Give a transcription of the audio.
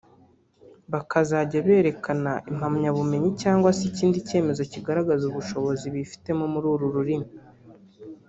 bakazajya berekana impamyabumenyi cyangwa se ikindi cyemezo kigaragaza ubushobozi bifitemo muri uru rurimi